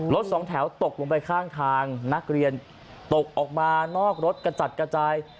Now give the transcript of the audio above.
สองแถวตกลงไปข้างทางนักเรียนตกออกมานอกรถกระจัดกระจาย